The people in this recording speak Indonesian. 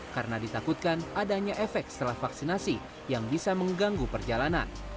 karena ditakutkan adanya efek setelah vaksinasi yang bisa mengganggu perjalanan